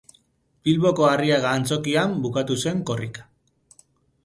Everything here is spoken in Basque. Bilboko Arriaga antzokian bukatu zen Korrika.